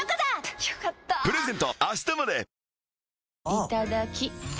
いただきっ！